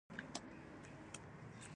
• د شپې رازونه یوازې الله پوهېږي.